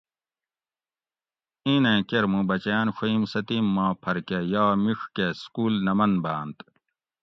اینیں کیر موں بچیان ڛوئیم ستیم ما پھر کہ یا مِیڄ کہ سکول نہ من بانت